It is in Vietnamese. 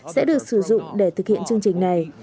sẽ được sử dụng để thực hiện chương trình này